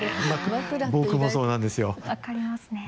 僕もそうなんですよ。